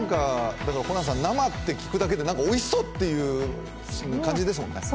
生って聞くだけでおいしそうという感じですよね。